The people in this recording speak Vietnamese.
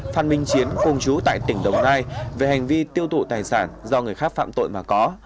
phan minh chiến công chú tại tỉnh đồng nai về hành vi tiêu thụ tài sản do người khác phạm tội mà có